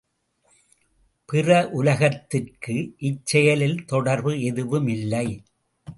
புற உலகிற்கு இச்செயலில் தொடர்பு எதுவும் இல்லை.